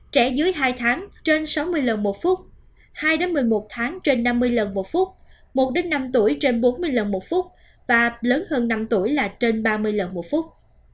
trẻ dưới hai tháng trên sáu mươi lần một phút hai một mươi một tháng trên năm mươi lần một phút một năm tuổi trên bốn mươi lần một phút và lớn hơn năm tuổi là trên ba mươi lần một phút